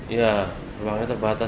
ya ruangnya terbatas